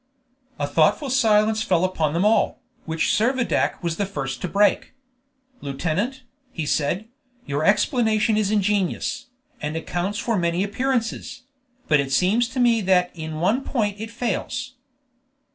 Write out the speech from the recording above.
A thoughtful silence fell upon them all, which Servadac was the first to break. "Lieutenant," he said, "your explanation is ingenious, and accounts for many appearances; but it seems to me that in one point it fails."